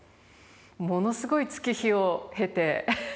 ものすごい月日を経て。